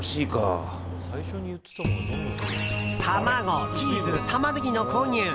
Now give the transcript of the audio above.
卵、チーズ、タマネギの購入。